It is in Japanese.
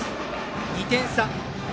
２点差。